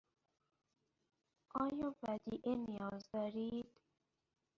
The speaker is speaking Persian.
آیا ودیعه نیاز دارید؟